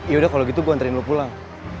yaudah kalau gitu gue antarin lu pulang